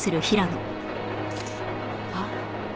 あっ。